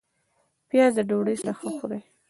پیاز د ډوډۍ سره ښه خوري